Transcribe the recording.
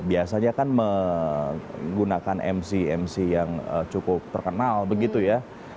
biasanya kan menggunakan mc mc yang cukup terkenal begitu ya